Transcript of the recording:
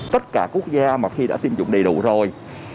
tất cả quốc gia mà khi đã tiêm chủng đầy đủ rồi